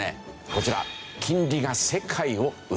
こちら。